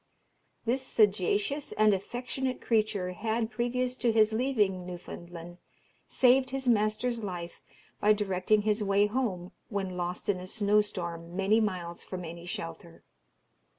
This sagacious and affectionate creature had, previous to his leaving Newfoundland, saved his master's life by directing his way home when lost in a snow storm many miles from any shelter.